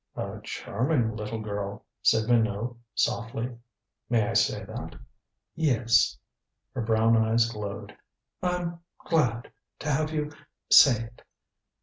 "A charming little girl," said Minot softly. "May I say that?" "Yes " Her brown eyes glowed. "I'm glad to have you say it.